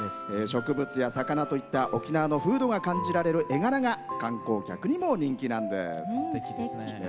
植物や魚といった沖縄の風土が感じられる絵柄が観光客にも人気なんです。